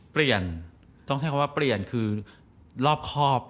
เปลี่ยนต้องใช้คำว่าเปลี่ยนคือรอบครอบ